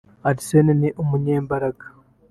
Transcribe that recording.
Arsène ni umunyembaraga